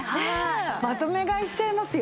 まとめ買いしちゃいますよ。